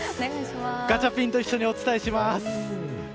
ガチャピンと一緒にお伝えします。